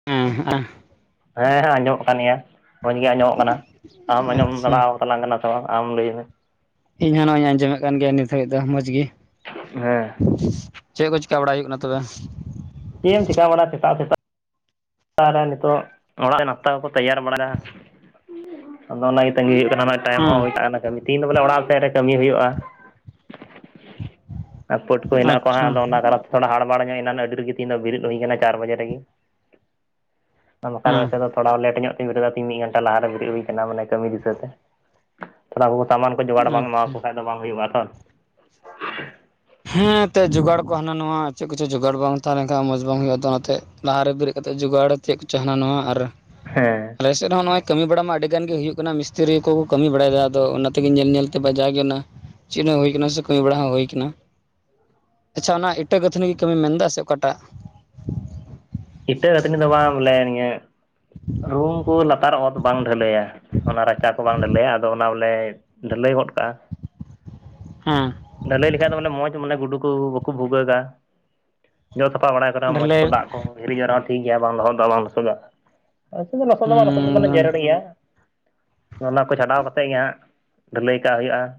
ᱦᱮᱸ [unintelligible] ᱦᱮᱸ ᱦᱮᱸ ᱟᱸᱡᱚᱢᱚᱜ ᱠᱟᱱ ᱜᱮᱭᱟ, ᱢᱚᱸᱡᱽ ᱜᱮ ᱟᱸᱡᱚᱢᱚᱜ ᱠᱟᱱᱟ᱾ ᱟᱢ ᱟᱸᱡᱚᱢ ᱟᱪᱪᱷᱟ ᱵᱟᱲᱟ [unintelligible] ᱟᱢ ᱞᱟᱹᱭ ᱢᱮ ᱾ ᱤᱧᱦᱚᱸ ᱱᱚᱜᱼᱚᱭ ᱤᱧ ᱟᱸᱡᱚᱢᱮᱫ ᱠᱟᱱ ᱜᱮᱭᱟ ᱱᱤᱛᱚᱜ ᱫᱚ ᱢᱚᱸᱡᱽ ᱜᱤ᱾ ᱦᱮᱸ ᱾ ᱪᱮᱫ ᱠᱚ ᱪᱤᱠᱟ ᱵᱟᱲᱟᱭ ᱦᱩᱭᱩᱜ ᱠᱟᱱᱟ ᱛᱚᱵᱮ᱾ ᱪᱮᱫ ᱮᱢ ᱪᱮᱠᱟ ᱵᱟᱲᱟ ᱥᱮᱛᱟᱜ ᱥᱮᱛᱟᱜ ᱛᱟᱞᱦᱮ ᱱᱤᱛᱚᱜ ᱚᱲᱟᱜ ᱨᱮ ᱱᱟᱥᱛᱟ ᱠᱚᱠᱚ ᱛᱮᱭᱟᱨ ᱵᱟᱲᱟᱭᱟ ᱟᱫᱚ ᱚᱱᱟᱜᱮ ᱛᱟᱹᱜᱤ ᱦᱩᱭᱩᱜ ᱠᱟᱱᱟ᱾ ᱴᱟᱭᱤᱢ ᱦᱚᱸ ᱦᱮᱸ ᱦᱩᱭ ᱦᱟᱛᱟᱲ ᱮᱱᱟ ᱠᱟᱹᱢᱤ ᱛᱮᱦᱤᱧ ᱫᱚ ᱵᱚᱞᱮ ᱚᱲᱟᱜ ᱥᱮᱫ ᱨᱮ ᱠᱟᱹᱢᱤ ᱦᱩᱭᱩᱜ-ᱟ ᱾ [inaudible] ᱯᱳᱴ ᱠᱚ ᱦᱮᱱᱟᱜ-ᱟ ᱛᱚ ᱦᱟᱸᱜ᱾ ᱟᱪᱪᱷᱟ ᱟᱫᱚ ᱚᱱᱟ ᱠᱟᱨᱚᱱ ᱛᱮ ᱛᱷᱚᱲᱟ ᱦᱟᱲᱵᱟᱲ ᱧᱚᱜ ᱮᱱᱟᱱ ᱟᱹᱰᱤ ᱨᱮᱜᱤ ᱛᱤᱧ ᱫᱚ ᱵᱮᱨᱤᱫ ᱦᱩᱭ ᱠᱟᱱᱟ ᱪᱟᱨ ᱵᱟᱡᱮ ᱨᱮᱜᱤ᱾ ᱟᱨ ᱵᱟᱝ ᱦᱮᱸ ᱵᱟᱠᱷᱟᱱ ᱫᱚ ᱛᱷᱚᱲᱟ ᱞᱮᱴ ᱧᱚᱜ ᱛᱤᱧ ᱵᱮᱨᱮᱫᱚᱜ-ᱟ ᱾ ᱛᱤᱦᱤᱧ ᱢᱤᱫ ᱜᱷᱚᱱᱴᱟ ᱞᱟᱦᱟᱨᱮ ᱵᱮᱨᱤᱫ ᱦᱩᱭ ᱟᱠᱟᱱᱟ ᱢᱟᱱᱮ ᱠᱟᱹᱢᱤ ᱫᱤᱥᱟᱹ ᱛᱮ ᱾ ᱛᱷᱚᱲᱟ ᱠᱚ ᱥᱟᱢᱟᱱ ᱠᱚ ᱡᱚᱜᱟᱲ ᱵᱟᱝ ᱟᱪᱪᱷᱟ ᱮᱢᱟᱣᱠᱚ ᱠᱷᱟᱡ ᱫᱚ ᱵᱟᱝ ᱦᱩᱭᱩᱜ-ᱟ ᱛᱚ ᱾ ᱦᱮᱸ ᱮᱸᱛᱮᱫ ᱡᱚᱜᱟᱲ ᱠᱚ ᱦᱟᱱᱟ ᱱᱟᱣᱟ ᱪᱮᱫ ᱠᱚᱪᱚ ᱡᱚᱜᱟᱲ ᱵᱟᱝ ᱛᱟᱦᱮᱸ ᱞᱮᱱᱠᱷᱟᱱ ᱢᱚᱸᱡᱽ ᱵᱟᱝ ᱦᱩᱭᱩᱜ-ᱟ ᱛᱚ ᱚᱱᱟᱛᱮ ᱞᱟᱦᱟ ᱨᱮ ᱵᱮᱨᱮᱫ ᱠᱟᱛᱮ ᱡᱚᱜᱟᱲ ᱪᱮᱫ ᱠᱚᱪᱚ ᱦᱟᱱᱟ ᱱᱚᱣᱟ ᱟᱨ ᱦᱮᱸ ᱾ ᱟᱞᱮᱥᱮᱫ ᱦᱚᱸ ᱱᱚᱜ-ᱚᱭ ᱠᱟᱹᱢᱤ ᱵᱟᱲᱟ ᱢᱟ ᱟᱹᱰᱤ ᱜᱟᱱ ᱜᱤ ᱦᱩᱭᱩᱜ ᱠᱟᱱᱟ ᱢᱤᱥᱛᱤᱨᱤ ᱠᱚ ᱠᱟᱹᱢᱤ ᱵᱟᱲᱟᱭᱮᱫᱟ ᱟᱫᱚ ᱚᱱᱟᱛᱮᱜᱮ ᱧᱮᱞ ᱧᱮᱞᱛᱮ ᱵᱟᱡᱟᱜᱮ ᱚᱱᱟ᱾ ᱪᱮᱫ ᱦᱚᱸ ᱦᱩᱭ ᱠᱟᱱᱟ ᱥᱮ ᱠᱟᱹᱢᱤ ᱵᱟᱲᱟ ᱦᱚᱸ ᱦᱩᱭ ᱠᱟᱱᱟ᱾ ᱟᱪᱪᱷᱟ ᱚᱱᱟ ᱤᱴᱟᱹ ᱜᱟᱹᱛᱷᱱᱤ ᱜᱮ ᱠᱟᱹᱢᱤᱢ ᱢᱮᱱᱫᱟ ᱥᱮ ᱚᱠᱟᱴᱟᱜ? ᱤᱴᱟᱹ ᱜᱟᱹᱛᱷᱱᱤ ᱫᱚ ᱵᱟᱝ ᱵᱚᱞᱮ ᱱᱤᱭᱟᱹ [inaudible] ᱨᱩᱢ ᱠᱩ ᱞᱟᱛᱟᱨ ᱚᱛ ᱵᱟᱝ ᱰᱷᱟᱹᱞᱟᱹᱭᱟ᱾ ᱚᱱᱟ ᱨᱟᱪᱟ ᱠᱚ ᱵᱟᱝ ᱰᱷᱟᱹᱞᱟᱹᱭᱟ ᱟᱫᱚ ᱚᱱᱟ ᱵᱚᱞᱮ ᱰᱷᱟᱹᱞᱟᱹᱭ ᱜᱚᱫ ᱠᱟᱜ-ᱟ ᱾ ᱦᱩᱸ ᱾ ᱰᱟᱹᱞᱟᱹᱭ ᱞᱮᱠᱷᱟᱡ ᱫᱚ ᱢᱟᱱᱮ ᱢᱚᱸᱡᱽ ᱢᱟᱱᱮ ᱜᱩᱰᱩ ᱠᱩ ᱵᱟᱠᱚ ᱵᱷᱩᱜᱟᱹᱜᱟ ᱾ ᱡᱚᱜ ᱥᱟᱯᱷᱟ ᱵᱟᱲᱟᱭ ᱠᱚᱨᱮ ᱦᱚᱸ ᱢᱚᱡᱽ ᱠᱚ ᱰᱷᱟᱹᱞᱟᱹᱭ ᱫᱟᱜ ᱠᱚ ᱦᱤᱨᱤᱡᱟᱜ ᱨᱮᱦᱚ ᱴᱷᱤᱠ ᱜᱮᱭᱟ ᱵᱟᱝ ᱞᱚᱦᱚᱫᱟ ᱵᱟᱝ ᱞᱚᱥᱚᱫᱚᱜ-ᱟ ᱾ ᱟᱞᱥᱮᱜ ᱢᱟ ᱞᱚᱥᱚᱫᱚᱜ-ᱟ ᱞᱚᱥᱚᱫ ᱫᱚ ᱢᱟᱱᱮ ᱡᱮᱨᱮᱲ ᱜᱮᱭᱟ [inaudible] ᱚᱱᱟ ᱠᱚ ᱪᱷᱟᱰᱟᱣ ᱠᱟᱛᱮᱫ ᱜᱮ ᱦᱟᱸᱜ ᱰᱷᱟᱹᱞᱟᱹᱭ ᱠᱟᱜ ᱦᱩᱭᱩᱜ-ᱟ ᱾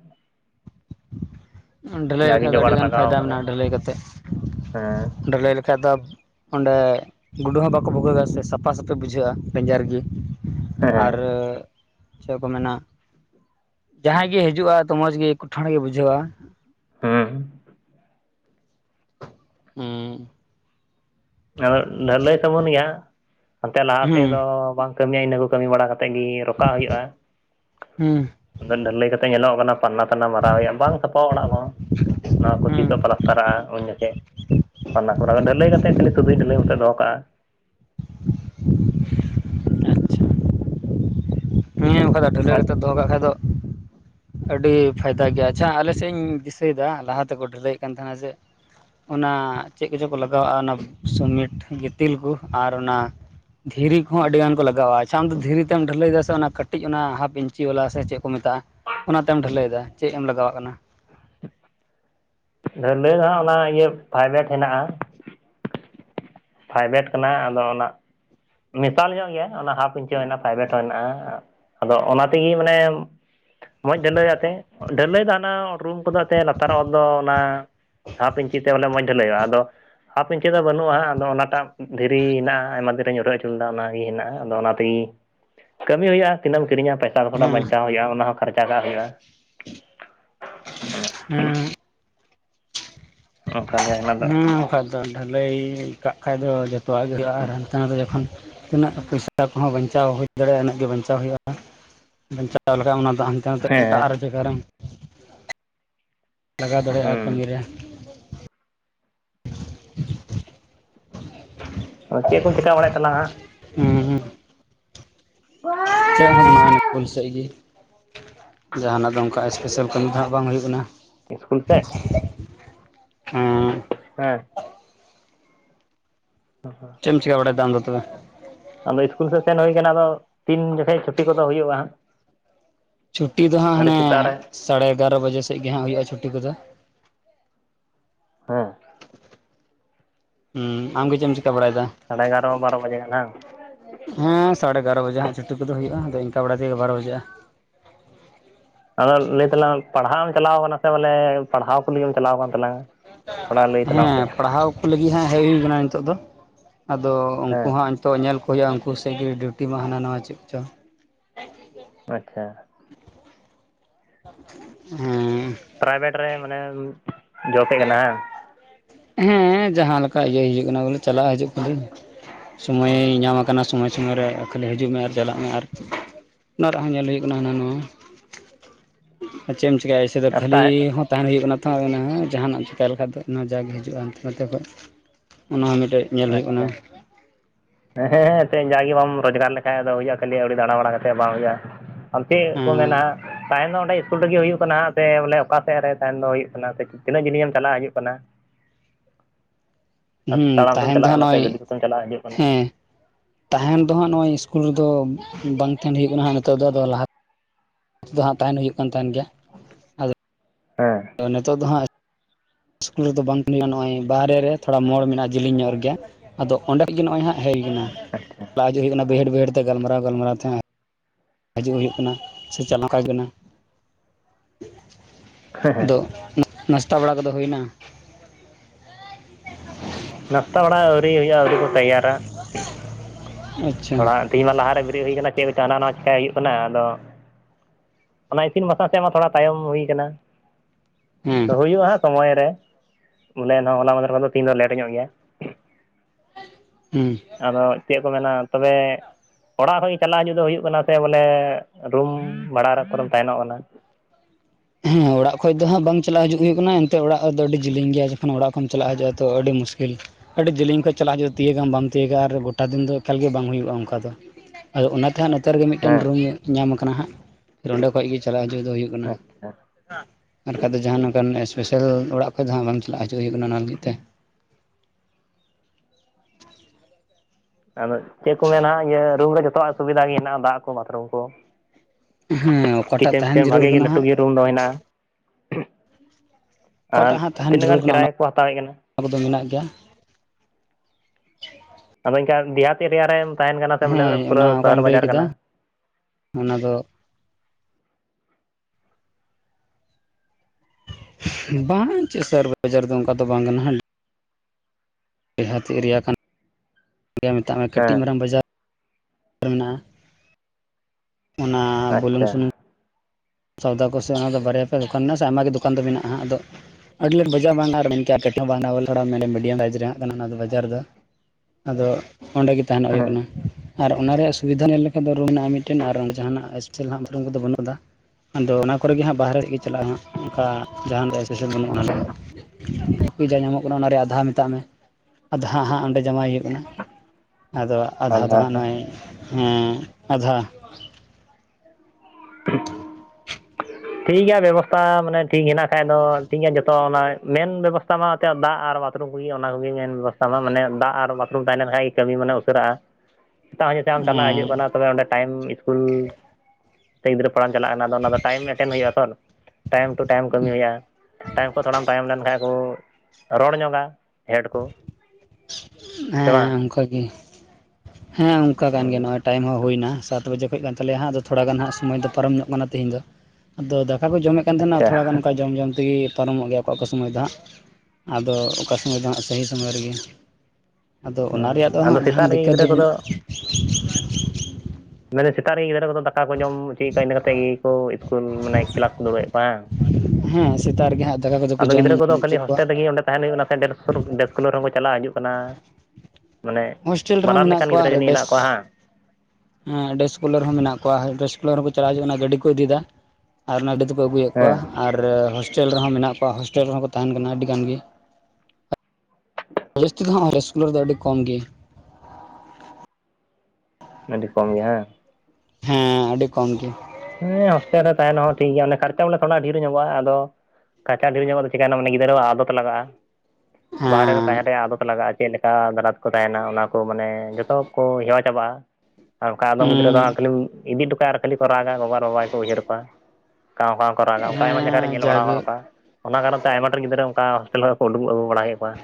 ᱰᱟᱹᱞᱟᱹᱭ ᱡᱟᱜᱮ ᱞᱮᱠᱷᱟᱡ ᱫᱚ ᱟᱹᱰᱤ ᱡᱚᱜᱟᱲ ᱜᱟᱱ ᱞᱟᱜᱟᱣ ᱯᱷᱟᱭᱫᱟ ᱠᱟᱱᱟ ᱢᱮᱱᱟᱜ-ᱟ ᱰᱟᱹᱞᱟᱹᱭ ᱠᱟᱛᱮᱫ᱾ ᱦᱮᱸ ᱰᱷᱟᱹᱞᱟᱹᱭ ᱠᱷᱟᱡ ᱫᱚ ᱚᱸᱰᱮ ᱜᱩᱰᱩ ᱦᱚᱸ ᱵᱟᱠᱚ ᱵᱷᱩᱜᱟᱹᱜ-ᱟ ᱥᱮ ᱥᱟᱯᱷᱟ ᱥᱟᱹᱯᱷᱤ ᱵᱩᱡᱷᱟᱹᱜ-ᱟ ᱞᱮᱸᱡᱮᱨ ᱜᱤ ᱾ ᱦᱮᱸ ᱟᱨ, ᱪᱮᱫ ᱠᱚ ᱢᱮᱱᱟ, ᱡᱟᱸᱦᱟᱸᱭ ᱜᱤ ᱦᱤᱡᱩᱜᱼᱟ ᱛᱚ ᱢᱚᱸᱡᱽ ᱜᱮ ᱠᱴᱷᱟᱹᱬ ᱜᱮ ᱵᱩᱡᱷᱟᱹᱣᱟ᱾ ᱦᱩᱸ ᱦᱮᱸ ᱟᱫᱚ ᱰᱷᱟᱹᱞᱟᱹᱭ ᱛᱟᱵᱚᱱ ᱜᱮᱭᱟ, ᱦᱟᱸᱱᱛᱮ ᱞᱟᱦᱟ ᱥᱮᱫ ᱦᱩᱸ ᱫᱚ ᱵᱟᱝ ᱠᱟᱹᱢᱤᱭᱟ ᱤᱱᱟᱹ ᱠᱚ ᱠᱟᱹᱢᱤ ᱵᱟᱲᱟ ᱠᱟᱛᱮᱜ ᱜᱤ ᱨᱚᱠᱟ ᱦᱩᱭᱩᱜᱼᱟ᱾ ᱟᱫᱚ ᱰᱷᱟᱹᱞᱟᱹᱭ ᱠᱟᱛᱮ ᱧᱮᱞᱚᱜ ᱠᱟᱱᱟ ᱯᱟᱱᱱᱟ ᱛᱟᱱᱱᱟ ᱢᱟᱨᱟᱣ ᱦᱩᱭᱩᱜᱼᱟ, ᱵᱟᱝ ᱥᱟᱯᱷᱟᱣᱟ ᱚᱲᱟᱜ ᱦᱚᱸ᱾ ᱚᱱᱟ ᱠᱚ ᱛᱤᱥᱚᱜ ᱦᱩᱸ ᱯᱞᱟᱯ ᱯᱟᱨᱟᱜᱼᱟ ᱩᱱ ᱡᱚᱠᱷᱮᱡ ᱯᱟᱞᱞᱟ ᱠᱚᱨᱟᱣᱟ ᱰᱷᱟᱹᱞᱟᱹᱭ ᱠᱟᱛᱮ ᱠᱷᱟᱹᱞᱤ ᱥᱩᱫᱩᱭ ᱵᱷᱟᱹᱞᱟᱹᱭ ᱠᱟᱛᱮ ᱫᱚᱦᱚ ᱠᱟᱜᱼᱟ᱾ ᱟᱪᱪᱷᱟ ᱦᱮᱸ ᱚᱱᱠᱟ ᱫᱚ ᱰᱷᱟᱹᱞᱟᱹᱭ ᱟᱨ ᱠᱟᱛᱮᱫ ᱫᱚᱦᱚ ᱠᱟᱜ ᱠᱷᱟᱡ ᱫᱚ ᱟᱹᱰᱤ ᱯᱷᱟᱭᱫᱟ ᱜᱮᱭᱟ, ᱟᱪᱪᱷᱟ ᱟᱞᱮ ᱥᱮᱱ ᱤᱧ ᱫᱤᱥᱟᱹᱭᱮᱫᱟ ᱞᱟᱦᱟ ᱛᱮᱠᱚ ᱰᱷᱟᱹᱞᱟᱹᱭᱮᱫ ᱠᱟᱱ ᱛᱟᱦᱮᱸᱱᱟ ᱥᱮ ᱚᱱᱟ ᱪᱮᱫ ᱠᱚᱪᱚ ᱠᱚ ᱞᱟᱜᱟᱣᱼᱟ ᱚᱱᱟ ᱥᱤᱨᱢᱤᱴ ᱤᱭᱟᱹ ᱜᱤᱛᱤᱞ ᱠᱚ ᱟᱨ ᱚᱱᱟ ᱫᱷᱤᱨᱤ ᱠᱚᱦᱚᱸ ᱟᱹᱰᱤ ᱜᱟᱱ ᱠᱚ ᱞᱟᱜᱟᱣᱟ ᱟᱪᱪᱷᱟ ᱟᱢ ᱫᱚ ᱫᱷᱤᱨᱤ ᱛᱮᱢ ᱰᱷᱟᱹᱞᱟᱹᱭᱫᱟ ᱥᱮ ᱚᱱᱟ ᱠᱟᱹᱴᱤᱡ ᱚᱱᱟ ᱦᱟᱯ ᱤᱧᱪᱤ ᱵᱟᱞᱟ ᱥᱮ ᱪᱮᱫ ᱠᱚ ᱢᱮᱛᱟᱜᱼᱟ, ᱚᱱᱟᱛᱮᱢ ᱰᱷᱟᱹᱞᱟᱹᱭᱫᱟ? ᱪᱮᱫ ᱮᱢ ᱞᱟᱜᱟᱣᱟᱜ ᱠᱟᱱᱟ? ᱰᱷᱟᱹᱞᱟᱹᱭ ᱫᱚ ᱦᱟᱸᱜ ᱚᱱᱟ ᱤᱭᱟᱹ ᱯᱷᱟᱭᱵᱮᱴ ᱦᱮᱱᱟᱜᱼᱟ। ᱯᱷᱟᱭᱵᱮᱴ ᱠᱟᱱᱟ ᱟᱫᱚ ᱚᱱᱟ ᱢᱮᱥᱟᱞ ᱧᱚᱜ ᱜᱮᱭᱟ ᱚᱱᱟ ᱦᱟᱯ ᱤᱧᱪᱤ ᱦᱚᱸ ᱦᱮᱱᱟᱜᱼᱟ ᱯᱨᱟᱭᱵᱷᱮᱴ ᱦᱚᱸ ᱦᱮᱱᱟᱜᱼᱟ, ᱟᱫᱚ ᱚᱱᱟ ᱛᱮᱜᱤ ᱢᱟᱱᱮ ᱢᱚᱡ ᱰᱷᱟᱹᱞᱟᱹᱭ ᱟᱛᱮ ᱰᱷᱟᱹᱞᱟᱹᱭ ᱫᱚ ᱦᱟᱱᱟ ᱨᱩᱢ ᱠᱚᱫᱚ ᱟᱛᱮ ᱞᱟᱛᱟᱨ ᱚᱞ ᱫᱚ ᱚᱱᱟ ᱦᱟᱯ ᱤᱧᱪᱤ ᱛᱮ ᱵᱚᱞᱮ ᱢᱚᱡ ᱰᱷᱟᱹᱞᱟᱹᱭᱚᱜᱼᱟ ᱟᱫᱚ ᱦᱟᱯ ᱤᱧᱪᱤ ᱫᱚ ᱵᱟᱹᱱᱩᱜᱼᱟ ᱟᱫᱚ ᱚᱱᱟᱴᱟᱜ ᱫᱷᱤᱨᱤ ᱦᱮᱸᱱᱟᱜᱼᱟ, ᱟᱭᱢᱟ ᱫᱤᱱ ᱨᱮ ᱧᱩᱨᱟᱹᱜ ᱫᱟ ᱚᱱᱟᱜᱮ ᱦᱮᱸᱱᱟᱜᱼᱟ ᱟᱫᱚ ᱚᱱᱟ ᱛᱮᱜᱤ ᱠᱟᱹᱢᱤ ᱦᱩᱭᱩᱜᱼᱟ ᱛᱤᱱᱟᱹᱜ ᱮᱢ ᱠᱤᱨᱤᱧᱟ ᱯᱚᱭ ᱥᱟ ᱠᱷᱚᱱᱟ ᱦᱮᱸ ᱵᱟᱧᱪᱟᱣ ᱦᱩᱭᱩᱜᱼᱟ ᱚᱱᱟ ᱦᱚᱸ ᱠᱷᱟᱨᱪᱟ ᱠᱟᱜ ᱦᱩᱭᱩᱜᱼᱟ। ᱩᱸᱜ ᱚᱱᱠᱟ ᱜᱮ ᱚᱱᱟ ᱫᱚ ᱦᱩᱸ᱾ ᱵᱟᱠᱷᱟᱡ ᱫᱚ ᱰᱷᱟᱹᱞᱟᱹᱭ ᱠᱟᱜ ᱠᱷᱟᱡ ᱫᱚ ᱡᱷᱚᱛᱚᱣᱟᱜ ᱜᱮ ᱦᱩᱭᱩᱜᱼᱟ, ᱟᱨ ᱦᱟᱸᱱᱛᱮ ᱱᱟ ᱫᱚ ᱡᱚᱠᱷᱚᱱ ᱛᱤᱱᱟᱹᱜ ᱯᱚᱭᱥᱟ ᱠᱚᱦᱚᱸ ᱵᱟᱧᱪᱟᱣ ᱦᱩᱭ ᱫᱟᱲᱮᱭᱟᱜᱼᱟ, ᱤᱱᱟᱹᱜ ᱜᱮ ᱵᱟᱧᱪᱟᱣ ᱦᱩᱭᱩᱜᱼᱟ, ᱵᱟᱧᱪᱟᱣ ᱞᱮᱠᱷᱟᱱᱡ ᱚᱱᱟ ᱫᱚ ᱦᱟᱱ ᱛᱮ ᱱᱚᱱᱛᱮ ᱮᱴᱟᱜ ᱦᱮᱸ ᱨᱮ ᱵᱷᱮᱜᱟᱨ ᱮᱢ ᱞᱟᱜᱟᱣ ᱫᱟᱲᱮᱭᱟᱜᱼᱟ ᱠᱟᱹᱢᱤᱨᱮ। ᱦᱩᱸ [unintelligible] ᱪᱮᱫ ᱠᱚᱢ ᱪᱤᱠᱠᱟ ᱵᱟᱲᱟᱭ ᱛᱞᱟᱝᱼᱟ? ᱩᱸ᱾ ᱠᱚᱣᱟ ᱪᱮᱫ ᱦᱚᱸ ᱵᱟᱱᱩᱜᱼᱟ ᱤᱥᱠᱩᱞ ᱥᱮᱜ ᱤᱫᱤ। ᱡᱟᱦᱟᱸᱱᱟᱜ ᱫᱚ ᱚᱝᱠᱟ ᱮᱥᱯᱮᱥᱟᱞ ᱠᱟᱹᱢᱤ ᱫᱚ ᱦᱟᱸᱜ ᱵᱟᱝ ᱦᱩᱭᱩᱜ ᱠᱟᱱᱟ। ᱤᱥᱠᱩᱞ ᱥᱮᱫ ᱚᱸ᱾ ᱦᱮᱸ᱾ ᱦ [unintelligible] ᱪᱮᱜᱼᱮᱢ ᱪᱤᱠᱟ ᱵᱟᱲᱟᱭᱫᱟᱢ ᱟᱢᱫᱚ ᱛᱚᱵᱮ? ᱟᱫᱚ ᱤᱥᱠᱩᱞ ᱥᱮᱫ ᱥᱮᱱ ᱦᱩᱭ ᱠᱟᱱᱟ ᱟᱫᱚ ᱛᱤᱱ ᱡᱚᱠᱷᱮᱡ ᱪᱷᱩᱴᱤ ᱠᱚᱫᱚ ᱦᱩᱭᱩᱜᱼᱟ ᱦᱟᱸᱜ? ᱪᱷᱩᱴᱤ ᱫᱚ ᱦᱟᱸᱜ ᱦᱟᱱᱮ ᱥᱮᱛᱟᱜ ᱨᱮ ᱥᱟᱲᱮ ᱮᱜᱟᱨᱚ ᱵᱟᱡᱮ ᱥᱮᱫ ᱜᱮ ᱦᱟᱸᱜ ᱦᱩᱭᱩᱜᱼᱟ ᱪᱷᱩᱴᱤ ᱠᱚᱫᱚ᱾ ᱦᱮᱸ᱾ ᱦᱩᱸ ᱟᱢᱜᱮ ᱪᱮᱫ ᱮᱢ ᱪᱤᱠᱟ ᱵᱟᱲᱟᱭᱫᱟ? ᱥᱟᱲᱮ ᱮᱜᱟᱨᱚ ᱵᱟᱨᱚ ᱵᱟᱡᱮ ᱦᱟᱝ? ᱦᱮᱸ ᱥᱟᱲᱮ ᱮᱟᱨᱳ ᱵᱟᱡᱮ ᱦᱟᱸᱜ ᱪᱷᱩᱴᱤᱩ ᱠᱚᱫᱚ ᱦᱩᱭᱩᱜᱼᱟ, ᱟᱫᱚ ᱤᱝᱠᱟ ᱵᱟᱲᱟ ᱛᱮᱜᱮ ᱵᱟᱨᱚ ᱵᱟᱡᱟᱜᱼᱟ᱾ ᱟᱫᱚ ᱞᱟᱹᱭ ᱛᱟᱞᱟᱝ ᱯᱟᱲᱦᱟᱜ ᱮᱢ ᱪᱟᱞᱟᱣ ᱠᱟᱱᱟ ᱥᱮ ᱵᱚᱞᱮ ᱯᱟᱲᱦᱟᱣ ᱛᱩᱞᱩᱢ ᱮᱢ ᱪᱟᱞᱟᱣ ᱠᱟᱱ ᱛᱟᱞᱟᱝᱟ? ᱛᱷᱚᱲᱟ ᱞᱟᱹᱭ ᱛᱟᱞᱟᱝ ᱦᱮᱸ ᱢᱮᱥᱮ ᱯᱟᱲᱦᱟᱣ ᱠᱚ ᱞᱟᱹᱜᱤᱫ ᱦᱟᱸᱜ ᱦᱮᱡ ᱦᱩᱭ ᱠᱟᱱᱟ ᱱᱤᱛᱚᱜ ᱫᱚ᱾ ᱟᱫᱚ ᱩᱱᱠᱩ ᱦᱮᱸ ᱦᱟᱸ ᱱᱤᱛᱚᱜ ᱧᱮᱞ ᱠᱚ ᱦᱩᱭᱩᱜᱼᱟ ᱩᱝᱠᱩ ᱥᱮᱫ ᱜᱮ ᱰᱤᱭᱩᱴᱤ ᱢᱟ ᱦᱟᱸᱱᱟ ᱱᱟᱣᱟ ᱪᱮᱫ ᱪᱚᱝ ᱟ [unintelligible] ᱟᱪᱪᱷᱟ᱾ ᱦᱮᱸ᱾ ᱯᱨᱟᱭᱵᱷᱮᱴ ᱨᱮ ᱢᱟᱱᱮᱢ ᱡᱚᱵ ᱮᱫ ᱠᱟᱱᱟ ᱵᱟᱝ, ᱦᱮᱸ ᱡᱟᱦᱟᱸ ᱞᱮᱠᱟ ᱤᱭᱟᱹ ᱦ ᱦᱩᱭᱩᱜ ᱠᱟᱱᱟ ᱵᱚᱞᱮ ᱪᱟᱞᱟᱜ ᱦᱤᱡᱩᱜ ᱠᱟᱱᱤᱧ, ᱥᱚᱢᱚᱭᱮ ᱧᱟᱢ ᱟᱠᱟᱱᱟ ᱥᱚᱢᱚᱭ ᱥᱚᱢᱚᱭ ᱨᱮ, ᱠᱷᱟᱹᱞᱤ ᱦᱤᱡᱩᱜ ᱢᱮ ᱟᱨ ᱪᱟᱞᱟᱜ ᱢᱮ ᱟᱨ ᱚᱱᱟᱟᱜ ᱦᱚᱸᱚᱸ ᱧᱮᱞ ᱦᱩᱭᱩᱜ ᱠᱟᱱᱟ ᱦᱟᱱᱟ ᱱᱚᱣᱟᱣᱟ। ᱪᱮᱫ ᱮᱢ ᱪᱮᱠᱟᱭᱟᱮ ᱫᱚ ᱟᱨ ᱠᱷᱟᱹᱞᱤ ᱛᱟᱦᱮᱸ ᱦᱚᱸ ᱛᱟᱦᱮᱱ ᱦᱩᱭᱩᱜ ᱠᱟᱱᱟ ᱛᱚ ᱡᱟᱦᱟᱱᱟᱜ ᱮᱢ ᱪᱮᱟᱭ ᱞᱮᱠᱷᱟᱡ ᱫᱚ। ᱚᱱᱟ ᱡᱟᱜᱮ ᱦᱤᱡᱩᱜᱼᱟ ᱚᱱᱛᱮ ᱱᱚᱛᱮ ᱠᱷᱚᱡ ᱚᱱᱟ ᱦᱚᱸ ᱢᱤᱫᱴᱮᱱ ᱧᱮᱞ ᱦᱩᱭᱩᱜ ᱠᱟᱱᱟ, ᱟᱪᱪᱷᱟ ᱦᱮᱸ ᱦᱮᱸ ᱮᱱᱛᱮ ᱡᱟᱜᱮ ᱵᱟᱢ ᱨᱳᱡᱽᱜᱟᱨ ᱞᱮᱠᱷᱟᱡ ᱟᱫᱚ ᱦᱩᱭᱩᱜ-ᱟ ᱠᱷᱟᱹᱞᱤ ᱟᱹᱣᱨᱤ ᱫᱟᱬᱟ ᱵᱟᱲᱟ ᱠᱟᱛᱮᱫ ᱵᱟᱝ ᱦᱩᱭᱩᱜ ᱟ, ᱦᱟᱪᱮᱫ ᱠᱚ ᱢᱮᱱᱟ ᱛᱟᱦᱮᱸᱱ ᱫᱚ ᱚᱸᱰᱮ, ᱥᱩᱨ ᱨᱮᱜᱮ ᱦᱩᱭᱩᱜ ᱠᱟᱱᱟ ᱥᱮ ᱚᱠᱟᱥᱮᱫ ᱵᱚᱞᱮ ᱚᱠᱟᱥᱮᱫ ᱨᱮ ᱛᱟᱦᱮᱱ ᱫᱚ ᱦᱩᱭᱩᱜ ᱠᱟᱱᱟ ᱥᱮ ᱛᱤᱱᱟᱹᱜ ᱡᱤᱞᱤᱧ ᱮᱢ ᱪᱟᱞᱟᱜ ᱦᱥᱡᱩᱜ ᱠᱟᱱᱟ, ᱟᱨ ᱦᱩ ᱛᱟᱲᱟᱢ ᱛᱮᱢ ᱛᱟᱦᱮᱱ ᱪᱟᱞᱟᱜ ᱫᱚᱦ ᱠᱟᱱᱟ ᱥᱮ ᱱᱚᱜᱼᱚᱭ ᱜᱟᱹᱰᱤ ᱠᱚᱛᱮᱢ ᱪᱟᱞᱟᱜ ᱦᱤᱡᱩᱜ ᱠᱟᱱᱟ ᱦᱮᱸ᱾ ᱛᱟᱦᱮᱸᱱ ᱫᱚ ᱱᱟᱦᱟᱸᱜ ᱱᱚᱳᱭᱟ ᱤᱥᱠᱩᱞ ᱨᱮᱫᱚ ᱵᱟᱝ ᱛᱟᱦᱮᱱ ᱦᱩᱭᱩᱜ ᱠᱟᱱᱟ ᱟᱫᱚ ᱱᱤᱛᱚᱜ ᱫᱚ ᱟᱫᱚ ᱞᱟᱦᱟ, ᱫᱚ ᱦᱟᱜ ᱛᱟᱦᱮᱸᱱ ᱦᱩᱭᱩᱜ ᱠᱟᱱ ᱛᱟᱦᱮᱱ ᱜᱮᱭᱟ, ᱦᱮᱸ ᱱᱤᱛᱳᱜ ᱫᱚ ᱦᱟᱸᱜ ᱤᱥᱠᱩᱞ ᱨᱮᱫᱚ ᱵᱟᱝᱼᱟ ᱱᱚᱜᱼᱚᱭ ᱵᱟᱦᱦᱨᱮ ᱨᱮ ᱛᱷᱚᱲᱟ ᱢᱳᱲ ᱢᱮᱱᱟᱜᱼᱟ ᱡᱮᱞᱮᱧ ᱧᱚᱜ ᱨᱮᱜᱮ ᱟᱫᱚ ᱚᱸᱰᱮᱜᱮ ᱱᱚᱜᱼᱚᱭ ᱦᱟᱜ ᱦᱮᱡ ᱪᱟᱞᱟᱣ ᱟᱪᱪᱷᱟ ᱦᱤᱡᱩᱜ ᱦᱳᱭᱳᱜ ᱠᱟᱱᱟ ᱵᱟᱹᱭᱦᱟᱹᱲ ᱵᱟᱹᱭᱦᱟᱹᱲ ᱛᱮ ᱜᱟᱞᱢᱟᱨᱟᱣ ᱜᱟᱞᱢᱟᱨᱟᱣ ᱛᱮ ᱦᱟᱸᱜ ᱦᱤᱡᱩᱜ ᱦᱩᱭᱩᱜ ᱠᱟᱱᱟ ᱥᱮ ᱪᱟᱢᱟ ᱠᱟᱜ ᱠᱟᱱᱟ, ᱦᱮᱸ ᱦᱮᱸ ᱫᱚ ᱱᱟᱥᱛᱟ ᱵᱟᱲᱟ ᱠᱚᱫᱚ ᱦᱩᱭᱱᱟ, ᱱᱟᱥᱛᱟ ᱵᱟᱲᱟ ᱟᱹᱣᱨᱤ ᱦᱩᱭᱩᱜᱼᱟ ᱟᱹᱣᱨᱤ ᱠᱚ ᱛᱮᱭᱟᱨᱟ, [inaudible] ᱛᱷᱚᱲᱟ ᱛᱤᱦᱤᱧ ᱢᱟ ᱞᱟᱦᱟᱨᱮ ᱵᱮᱨᱮᱫ ᱦᱩᱭ ᱠᱟᱱᱟ ᱪᱮᱫ ᱢᱤᱫᱴᱟᱝ ᱦᱟᱱᱟ ᱱᱚᱣᱟ ᱪᱤᱠᱟᱹᱭ ᱦᱩᱭᱩᱜ ᱠᱟᱱᱟ ᱟᱫᱚ, ᱚᱱᱟ ᱤᱥᱤᱱ ᱵᱟᱥᱟᱝ ᱥᱮᱫ ᱢᱟ ᱛᱷᱚᱲᱟ ᱛᱟᱭᱚᱢ ᱦᱩᱭ ᱠᱟᱱᱟ, ᱦᱩᱸ ᱦᱩᱭᱩᱜᱼᱟ ᱦᱟᱜ ᱥᱚᱢᱳᱚᱭ ᱨᱮ ᱵᱚᱞᱮ ᱦᱩᱞᱟ ᱢᱟᱫᱷᱮᱨ ᱠᱷᱚᱱ ᱫᱚ ᱛᱮᱦᱮᱧ ᱫᱚ ᱞᱮᱴ ᱧᱚᱜ ᱜᱮᱭᱟ, ᱦᱩᱸ ᱟᱫᱚ ᱪᱮᱫ ᱠᱚ ᱢᱮᱱᱟ ᱛᱚᱵᱮ, ᱚᱲᱟᱜ ᱠᱷᱚᱡ ᱜᱮ ᱪᱟᱞᱟᱣ ᱦᱩᱭᱩᱜ ᱠᱟᱱᱟ ᱥᱮ ᱵᱚᱞᱮ ᱨᱩᱢ ᱵᱷᱟᱲᱟ ᱠᱚᱨᱮᱢ ᱛᱟᱦᱮᱱᱚᱜ ᱠᱟᱱᱟ, ᱦᱮᱸ ᱚᱲᱟᱜ ᱠᱷᱚᱡ ᱫᱚ ᱦᱟᱸᱟᱜ ᱵᱟᱝ ᱪᱟᱞᱟᱜ ᱦᱤᱡᱩᱜ ᱦᱩᱭᱩᱜ ᱠᱟᱱᱟ ᱮᱱᱛᱮ ᱚᱲᱟᱜ ᱨᱮᱫᱚ ᱟᱹᱰᱤ ᱡᱮᱞᱮᱧ ᱜᱮᱭᱟ ᱡᱚᱠᱷᱚᱱ ᱚᱲᱟᱜ ᱠᱷᱚᱱᱚ ᱮᱢ ᱪᱟᱞᱟᱜ ᱦᱤᱡᱩᱜᱼᱟ ᱛᱚ ᱟᱹᱰᱤ ᱢᱩᱥᱠᱤᱞ, ᱟᱹᱰᱤ ᱡᱮᱞᱤᱧ ᱠᱷᱚᱡ ᱪᱟᱞᱟᱜᱼᱟ ᱦᱤᱡᱩᱜ ᱛᱤᱭᱳᱜᱟᱢ ᱵᱟᱢ ᱛᱤᱭᱟᱹᱜᱟ ᱟᱨ ᱜᱚᱴᱟ ᱫᱤᱱ ᱫᱚ ᱮᱠᱟᱞᱜ ᱜᱮ ᱵᱟᱝ ᱦᱩᱭᱩᱜᱼᱟ ᱚᱱᱠᱟ ᱫᱚ ᱟᱫᱚ ᱚᱱᱟ, ᱟᱜ ᱱᱚᱛᱮ ᱨᱮᱜᱮ ᱢᱤᱫᱴᱮᱱ ᱦᱮᱸ ᱨᱩᱢ ᱧᱟᱢ ᱟᱠᱟᱱᱟ ᱦᱟᱸᱜ ᱱᱚᱸᱰᱮ ᱠᱷᱚᱡ ᱜᱮ ᱪᱟᱞᱟᱣ ᱦᱤᱡᱩᱜ ᱫᱚ ᱦᱩᱭᱩᱜ ᱠᱟᱱᱟ, ᱟᱪᱪᱷᱟ ᱟᱨ ᱵᱟᱠᱷᱟ ᱫᱚ ᱡᱟᱦᱟ ᱱᱚᱝᱠᱟᱱ ᱮᱥᱯᱮᱥᱟᱞ ᱚᱲᱟᱜ ᱠᱷᱚᱡ ᱫᱚ ᱦᱟᱸ ᱵᱟᱝ ᱪᱟᱞᱟᱜ ᱦᱤᱡᱩᱜ ᱦᱩᱭᱩᱜ ᱠᱟᱱᱟ ᱚᱱᱟ ᱞᱟᱹᱜᱤᱫ ᱛᱮ, ᱟᱫᱚ ᱪᱮᱫ ᱠᱚ ᱢᱮᱱᱟ ᱦᱟᱸ ᱮᱭᱟ ᱨᱩᱢ ᱨᱮ ᱡᱚᱛᱚᱣᱟᱜ ᱜᱮ ᱥᱩᱵᱤᱫᱷᱟ ᱢᱮᱱᱟᱜᱼᱟ ᱫᱟᱜ ᱠᱚ ᱵᱟᱛᱷᱨᱩᱢ ᱠᱚ, ᱦᱮᱸ ᱚᱠᱟᱴᱟᱜ ᱠᱤᱪᱮᱱ ᱛᱟᱦᱮᱱ ᱯᱷᱤᱪᱮᱱ ᱡᱩᱲᱩᱲ ᱵᱷᱟᱜᱮ ᱜᱮ ᱠᱟᱱᱟ ᱞᱟᱹᱴᱩ ᱦᱟᱸᱜ, ᱜᱮ ᱨᱩᱢ ᱫᱚ ᱦᱮᱱᱟᱜᱼᱟ ᱟᱨ ᱚᱠᱟᱴᱟᱜ ᱦᱟᱸᱜ ᱛᱟᱦᱮᱱ ᱛᱤᱱᱟᱹᱜ ᱡᱟᱹᱨᱩᱲ ᱜᱟᱱ ᱠᱟᱱᱟ ᱠᱮᱨᱟᱭ ᱠᱚ ᱦᱟᱛᱟᱳ ᱮᱫ ᱠᱟᱱᱟ, ᱚᱱᱟ ᱠᱚᱫᱚ ᱢᱮᱱᱟᱜ ᱜᱮᱭᱟ, ᱟᱫᱚ ᱤᱱᱠᱟ ᱫᱤᱦᱟᱛᱤ ᱮᱨᱤᱭᱟ ᱨᱮᱢ ᱛᱟᱦᱮᱱ ᱠᱟᱱᱟ ᱥᱮ ᱦᱮᱸ ᱯᱩᱨᱟᱹ ᱚᱱᱟ ᱥᱚᱦᱚᱨ ᱚᱠᱟᱢ ᱞᱟᱹᱭ ᱵᱟᱡᱟᱨ ᱠᱮᱫᱟ ᱠᱟᱱᱟ, ᱚᱱᱟ ᱫᱚ, ᱵᱟᱝ ᱪᱮᱫ ᱥᱚᱦᱚᱨ ᱵᱟᱡᱟᱨ ᱫᱚ ᱚᱱᱠᱟ ᱫᱚ ᱵᱟᱝ ᱠᱟᱱᱟ ᱦᱟᱸᱜ, ᱵᱮᱦᱟᱛ ᱮᱨᱤᱭᱟ ᱠᱟᱱ, ᱪᱮᱫ ᱢᱮᱛᱟᱜ ᱢᱮ ᱠᱟᱹᱴᱤᱡ ᱦᱮᱸ ᱢᱟᱨᱟᱝ ᱵᱟᱡᱟᱨ ᱢᱮᱱᱟᱜᱼᱟ, ᱚᱱᱟ ᱵᱩᱞᱩᱝ ᱟᱪᱪᱷᱟ ᱥᱩᱱᱩᱢ, ᱥᱚᱣᱫᱟ ᱠᱚᱥᱮ ᱟᱫᱚ ᱵᱟᱨᱭᱟ ᱯᱮᱭᱟ ᱫᱚᱠᱟᱱ ᱢᱮᱱᱟᱜᱼᱟ ᱥᱮ ᱟᱭᱢᱟ ᱜᱮ ᱫᱚᱠᱟᱱ ᱫᱚ ᱢᱮᱱᱟᱜᱼᱟ ᱟᱫᱚ, ᱟᱹᱰᱤ ᱞᱮᱸᱴ ᱵᱟᱡᱟᱨ ᱵᱟᱝ ᱠᱟᱱ ᱟᱨ ᱢᱮᱱᱟ ᱮᱴ ᱵᱟᱝ ᱢᱤᱭᱟᱢ ᱥᱟᱭᱤᱡ ᱨᱮᱭᱟᱜ ᱨᱮᱱᱟᱜ ᱠᱟᱱᱟ ᱚᱱᱟ ᱵᱟᱡᱟᱨ ᱫᱚ, ᱟᱫᱚ ᱚᱸᱰᱮᱜᱮ ᱛᱟᱦᱮᱸᱱ ᱚᱜ ᱦᱩᱭᱩᱜ ᱦᱮᱸ ᱠᱟᱱᱟ, ᱟᱨ ᱚᱱᱟ ᱨᱮᱭᱟᱜ ᱥᱩᱵᱤᱫᱷᱟ ᱧᱮᱞ ᱞᱮᱠᱷᱟᱱᱡ ᱫᱚ ᱨᱩᱢ ᱢᱮᱱᱟᱜᱼᱟ ᱢᱤᱫᱴᱮᱱ ᱟᱨ ᱡᱟᱦᱟᱱᱟᱜ ᱮᱥᱯᱮᱥᱟᱞ ᱦᱟᱜ ᱨᱩᱢ ᱠᱚᱫᱚ ᱵᱟᱹᱱᱩᱜ ᱠᱟᱫᱟ, ᱟᱫᱚ ᱚᱱᱟ ᱠᱚᱨᱮᱜ ᱜᱤ ᱦᱟᱸᱜ ᱵᱟᱦᱨᱮ ᱥᱮᱫ ᱜᱮ ᱪᱟᱞᱟᱜᱼᱟ ᱦᱟᱸᱜ ᱚᱝᱠᱟ ᱡᱟᱦᱱᱟᱜ ᱮᱥᱯᱮᱥᱟᱞ ᱵᱟᱹᱱᱩᱜᱼᱟ ᱚᱸᱰᱮ ᱯᱩᱭᱥᱟ ᱧᱟᱢᱚᱜ ᱠᱟᱱᱟ ᱚᱱᱟ ᱨᱮ ᱟᱫᱷᱟ ᱢᱮᱛᱟᱜ ᱢᱮ᱾ ᱟᱫᱷᱟ ᱦᱟᱸᱜ ᱚᱸᱰᱮ ᱡᱚᱢᱟᱭ ᱦᱩᱭᱩᱜ ᱠᱟᱱᱟ, ᱟᱫᱚ ᱦᱮᱸ ᱟᱫᱷᱟ ᱫᱚ ᱦᱟᱸᱜ ᱦᱮᱸ ᱱᱚᱜᱼᱚᱭ ᱦᱮᱸ ᱟᱫᱷᱟ [unintelligible] ᱴᱷᱤᱠ ᱜᱮᱭᱟ ᱵᱮᱵᱚᱥᱛᱟ ᱢᱟᱱᱮ ᱴᱷᱤᱠ ᱦᱮᱸᱱᱟᱜ ᱠᱷᱟᱡ ᱫᱚ ᱴᱷᱤᱠ ᱜᱮᱭᱟ ᱡᱚᱛᱚ ᱱᱚᱜᱚᱭ ᱢᱮᱱ ᱵᱮᱵᱚᱥᱛᱟ ᱢᱟ ᱫᱟᱜ ᱟᱨ ᱵᱟᱛᱷᱨᱩᱢ ᱠᱚᱜᱤ ᱚᱱᱟ ᱠᱚᱜᱤ ᱢᱮᱱ ᱵᱷᱚᱨᱥᱟ ᱢᱟ ᱢᱟᱱᱮ ᱫᱟᱜ ᱟᱨ ᱵᱟᱛᱨᱩᱢ ᱛᱟᱦᱮ ᱞᱮᱱᱠᱷᱟᱱ ᱠᱟᱹᱢᱤ ᱢᱟᱱᱮ ᱩᱥᱟᱹᱨᱟᱜᱼᱟ᱾ [unintelligible] ᱥᱮᱛᱟᱜ ᱟᱭᱩᱵ ᱥᱮᱢ ᱪᱟᱞᱟᱜ ᱦᱤᱡᱩᱜ ᱦᱮᱸ ᱠᱟᱱᱟ ᱛᱚᱵᱮ ᱚᱸᱰᱮ ᱴᱟᱭᱤᱢ ᱤᱥᱠᱩᱞ ᱛᱮ ᱜᱤᱫᱽᱨᱟᱹ ᱯᱟᱲᱦᱟᱢ ᱪᱟᱞᱟᱜ ᱠᱟᱱᱟ ᱚᱱᱟ ᱫᱚ ᱴᱟᱭᱤᱢ ᱢᱮᱴᱮᱱ ᱦᱩᱭᱩᱜᱼᱟ ᱛᱚ, ᱴᱟᱭᱤᱢ ᱴᱩ ᱴᱟᱭᱤᱢ ᱠᱟᱹᱢᱤ ᱦᱩᱭᱩᱜᱼᱟ, ᱴᱟᱭᱤᱢ ᱠᱷᱚ ᱛᱷᱚᱲᱟᱢ ᱛᱟᱭᱚᱢ ᱞᱮᱱᱠᱷᱟᱡ ᱠᱚ ᱨᱚᱲ ᱧᱚᱜᱟ ᱦᱮᱰ ᱠᱩ᱾ ᱦᱮᱸ ᱚᱝᱠᱟ ᱜᱤ ᱦᱮᱸ ᱚᱝᱠᱟ ᱠᱟᱱ ᱜᱮᱭᱟ ᱦᱮᱸ ᱱᱚᱜᱼᱚᱭ ᱴᱟᱭᱤᱢ ᱦᱚᱸ ᱦᱩᱭᱱᱟ ᱥᱟᱛ ᱴᱟ ᱵᱟᱡᱮ ᱠᱷᱚᱱ ᱠᱟᱱ ᱛᱟᱞᱮᱭᱟ ᱟᱫᱚ ᱛᱷᱚᱲᱟ ᱜᱟᱱ ᱦᱟᱸᱜ ᱥᱚᱢᱚᱭ ᱫᱚ ᱯᱟᱨᱚᱢ ᱧᱚᱜ ᱛᱤᱦᱤᱧ ᱫᱚ᱾ ᱟᱫᱚ ᱫᱟᱠᱟ ᱠᱚ ᱡᱚᱢᱮᱜ ᱠᱟᱱ ᱛᱟᱦᱮᱸᱱᱟ ᱟᱪᱪᱷᱟ ᱛᱷᱚᱲᱟ ᱜᱟᱱ ᱚᱝᱠᱟ ᱡᱚᱢ ᱡᱚᱢ ᱛᱮᱜᱤ ᱯᱟᱨᱚ ᱢᱚᱜ ᱜᱮᱭᱟ ᱠᱚ ᱚᱠᱟ ᱥᱚᱢᱚᱭ ᱫᱚ ᱦᱟᱸᱜ ᱟᱫᱚ ᱚᱠᱟ ᱥᱚᱢᱚᱭ ᱫᱚ ᱦᱟᱸᱜ ᱥᱟᱹᱦᱤ ᱥᱚᱢᱚᱭ ᱨᱮ ᱜᱮ ᱚ ᱟᱫᱚ ᱥᱮᱛᱟᱜ ᱨᱮᱜᱮ ᱫᱤᱠᱠᱟᱹᱛ ᱫᱚ ᱜᱤᱫᱽᱨᱟᱹ ᱵᱟᱹᱱᱩᱜ ᱠᱚᱫᱚ ᱢᱮᱱᱮ ᱥᱮᱛᱟᱜ ᱨᱮ ᱜᱮ ᱜᱤᱫᱽᱨᱟᱹ ᱠᱚᱫᱚ ᱫᱟ ᱠᱟ ᱠᱚ ᱡᱚᱢ ᱚᱪᱚᱭᱮᱜ ᱠᱚᱣᱟ ᱤᱱᱟᱹ ᱠᱟᱛᱮᱫ ᱜᱮ ᱠᱚ ᱤᱥᱠᱩᱞ ᱢᱟᱱᱮ ᱠᱮᱞᱟᱥ ᱠᱚ ᱫᱩᱲᱩᱵ ᱮᱫ ᱠᱚᱣᱟ ᱵᱟᱝ? ᱦᱮᱸ ᱥᱮᱛᱟᱜ ᱨᱮᱜᱮ ᱦᱟᱸᱜ ᱫᱟᱠᱟ ᱠᱚᱫᱚ ᱠᱚ ᱟᱫᱚ ᱡᱚᱢ ᱜᱤᱫᱽᱨᱟᱹ ᱠᱚᱫᱚ ᱠᱷᱟᱹᱞᱤ ᱦᱚᱪᱚ ᱠᱚᱣᱟ ᱦᱳᱥᱴᱮᱞ ᱨᱮᱜᱮ ᱚᱸᱰᱮ ᱛᱟᱦᱮᱸᱱ ᱦᱳᱭᱳᱜ ᱠᱟᱱᱟ ᱥᱮ ᱰᱮᱥ ᱥᱩᱨ ᱰᱮᱥ ᱤᱥᱠᱩᱞᱳᱜ ᱨᱮ ᱦᱚᱸᱠᱚ ᱪᱟᱞᱟᱣ ᱦᱤᱡᱩᱜ ᱠᱟᱱᱟ᱾ ᱢᱟᱱᱮ ᱦᱳᱥᱴᱮᱞ ᱨᱮ ᱦᱚᱸ ᱵᱟᱱᱟᱨ ᱢᱮᱱᱟᱜ ᱞᱮᱠᱟᱱ ᱠᱚᱣᱟ ᱜᱤᱫᱽᱨᱟᱹ ᱟᱨ ᱡᱟᱹᱱᱤᱡ ᱰᱮᱥ ᱦᱮᱱᱟᱜ ᱠᱚᱣᱟ ᱦᱟᱝ ᱦᱮᱸ ᱰᱮᱥ ᱠᱚᱞᱟᱨ ᱦᱚᱸ ᱢᱮᱱᱟᱜ ᱠᱚᱣᱟ ᱰᱮᱥ ᱠᱚᱞᱟᱨ ᱦᱚᱸᱠᱚ ᱪᱟᱞᱟᱣ ᱦᱤᱡᱩᱜ ᱠᱟᱱᱟ, ᱜᱟᱹᱰᱤ ᱠᱚ ᱤᱫᱤᱫᱟ᱾ ᱟᱨ ᱚᱱᱟ ᱜᱟᱰᱤ ᱛᱮᱠᱚ ᱟᱹᱜᱩᱭᱮᱫ ᱠᱚᱣᱟ ᱦᱮᱸ ᱟᱨ ᱦᱳᱥ ᱴᱮᱞ ᱨᱮ ᱦᱚᱸ ᱢᱮᱱᱟᱜ ᱠᱚᱣᱟ ᱦᱳᱥᱴᱮᱞ ᱨᱮᱦᱚᱸ ᱛᱟᱦᱮᱸᱱ ᱠᱟᱱᱟ ᱟᱹᱰᱤ ᱜᱟᱱ ᱜᱮ᱾ ᱡᱟᱹᱥᱛᱤ ᱫᱚ ᱦᱟᱸ [unintelligible] ᱤᱥᱠᱩᱞᱟᱨ ᱨᱮᱫᱚ ᱟᱹᱰᱤ ᱠᱚᱢ ᱜᱮ᱾ ᱟᱹᱰᱤ ᱠᱚᱢ ᱜᱮ ᱦᱟᱝ? ᱦᱮᱸ ᱟᱹᱰᱤ ᱠᱚᱢ ᱜᱮ᱾ ᱦᱮᱸ ᱦᱳᱥᱴᱮᱞ ᱨᱮ ᱛᱟᱦᱮᱸᱱ ᱦᱚᱸ ᱴᱷᱤᱠ ᱜᱮᱭᱟ ᱚᱱᱮ ᱠᱷᱚᱨᱪᱟ ᱵᱚᱞᱮ ᱛᱷᱚᱲᱟ ᱰᱷᱮᱨ ᱧᱚᱜᱼᱟ, ᱟᱫᱚ ᱠᱷᱟᱸᱨᱪᱟ ᱰᱷᱮᱨ ᱧᱚᱜ ᱫᱚ ᱪᱤᱠᱟᱹᱭ ᱱᱟ ᱢᱟᱱᱮ ᱜᱤᱫᱽᱨᱟᱹᱣ ᱟᱜ ᱟᱫᱚᱛ ᱞᱟᱜᱟᱜᱼᱟ, ᱵᱟᱦᱨᱮ ᱦᱮᱸ ᱛᱟᱦᱮᱸ ᱨᱮᱭᱟᱜ ᱟᱫᱚᱛ ᱞᱟᱜᱟᱜᱼᱟ ᱪᱮᱫ ᱞᱮᱠᱟ ᱟ ᱫᱨᱟᱛ ᱠᱚ ᱛᱟᱦᱮᱸᱱᱟ ᱚᱱᱟ ᱠᱚ ᱢᱟᱱᱮ ᱡᱷᱚᱛᱚ ᱠᱚ ᱦᱮᱣᱟ ᱪᱟᱵᱟᱜᱼᱟ᱾ ᱟᱨ ᱚᱱᱠᱟ ᱟᱫᱚᱢ ᱜᱤᱫᱽᱨᱟᱹ ᱫᱚ ᱦᱟᱸᱜ ᱦᱮᱸ ᱠᱷᱟᱹᱞᱤᱢ ᱤᱫᱤ ᱦᱚᱴᱚ ᱠᱟᱜ ᱟᱨ ᱠᱷᱟᱹᱞᱤ ᱠᱚ ᱨᱟᱜᱟ ᱜᱚᱜᱚ-ᱵᱟᱵᱟ ᱜᱮᱠᱚ ᱩᱭᱦᱟᱹᱨ ᱠᱚᱣᱟ, ᱠᱟᱣ ᱠᱟᱣ ᱠᱚ ᱨᱟᱜᱼᱟ ᱚᱝᱠᱟ ᱟᱭᱢᱟ ᱡᱟᱭᱜᱟ ᱨᱮᱧ ᱦᱮᱸ ᱧᱮᱞ ᱵᱟᱲᱟ ᱡᱟᱜᱮ ᱠᱟᱜ ᱠᱚᱣᱟ ᱚᱱᱟ ᱠᱟᱨᱚᱱ ᱛᱮ ᱟᱭᱢᱟ ᱴᱮᱱ ᱜᱤᱫᱽᱨᱟᱹ ᱚᱱᱠᱟ ᱦᱳᱥᱴᱮᱞ ᱠᱷᱚᱱ ᱠᱚ ᱩᱰᱩᱜ ᱟᱜᱩ ᱵᱟᱲᱟ ᱠᱮᱫ ᱠᱚᱣᱟ,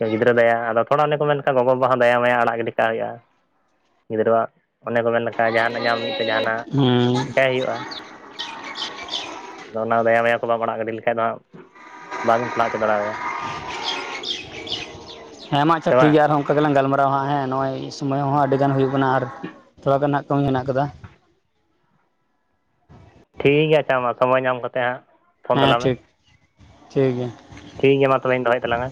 ᱜᱤᱫᱽᱨᱟᱹ ᱫᱟᱭᱟ ᱟᱫᱚᱛ ᱛᱷᱚᱲᱟ ᱚᱱᱮ ᱠᱚ ᱢᱮᱱ ᱠᱷᱟᱱ ᱜᱚᱜᱚᱼᱵᱟᱵᱟ ᱦᱚᱸ ᱫᱟᱭᱟ ᱢᱟᱭᱟ ᱟᱲᱟᱜ ᱜᱤᱰᱤ ᱠᱟᱜ ᱦᱩᱭᱩᱜᱼᱟ, ᱜᱤᱫᱽᱨᱟᱹᱣᱟᱜ ᱚᱱᱮ ᱠᱚ ᱢᱮᱱ ᱞᱮ ᱠᱟ ᱡᱟᱦᱟᱸᱱᱟᱜ ᱧᱟᱢ ᱞᱟᱜᱤᱫ ᱛᱮ ᱡᱟᱦᱟᱸᱱᱟᱜ ᱦᱩᱸ᱾ ᱦᱳᱭᱳᱜᱼᱟ, ᱟᱫᱚ ᱚᱱᱟ ᱫᱟᱭᱟ ᱢᱟᱭᱟ ᱠᱚ ᱵᱟᱢ ᱟᱲᱟᱜ ᱜᱟᱹᱰᱤ ᱞᱮᱠᱷᱟᱱ ᱫᱚ ᱦᱟᱸᱜ ᱵᱟᱢ ᱯᱟᱲᱦᱟᱣ ᱦᱚᱪᱚ ᱫᱟᱲᱮ ᱟᱭᱟ᱾ ᱦᱮᱸ ᱢᱟ ᱟᱪᱪᱷᱟ ᱥᱮ ᱴᱷᱤᱠ ᱵᱟᱝ ᱜᱮᱭᱟ ᱟᱨ ᱦᱚᱸ ᱚᱝ ᱠᱟ ᱜᱮᱞᱟᱝ ᱜᱟᱞ ᱢᱟᱨᱟᱣᱟ ᱦᱟᱸᱜ ᱦᱮᱸ ᱱᱚᱜᱼᱚᱭ ᱥᱚᱢᱳᱭ ᱦᱚᱸ ᱟᱹᱰᱤ ᱜᱟᱱ ᱦᱩᱭᱩᱜ ᱠᱟᱱᱟ ᱟᱨ ᱛᱷᱚᱲᱟ ᱜᱟᱱ ᱦᱟᱸᱜ ᱠᱟᱹᱢᱤ ᱦᱮᱸᱱᱟᱜ ᱠᱟᱫᱟ᱾ ᱴᱷᱤᱠ ᱜᱮᱭᱟ ᱟᱪᱪᱷᱟ ᱢᱟ ᱥᱚᱢᱚᱭ ᱧᱟᱢ ᱠᱟᱛᱮᱜ ᱦᱟᱸᱜ ᱯᱷᱳᱱ ᱦᱮᱸ ᱛᱟᱞᱟᱝ ᱢᱮ ᱴᱷᱤᱠ ᱴᱷᱤᱠ ᱜᱮᱭᱟ᱾ ᱴᱷᱤᱠ ᱜᱮᱭᱟ ᱢᱟ ᱛᱚᱵᱮᱧ ᱫᱚᱦᱚᱭᱮᱫ ᱛᱟᱞᱟᱝ-ᱟ᱾